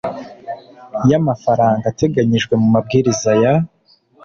y amafaranga ateganyijwe mu mabwiriza ya